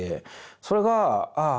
それがああ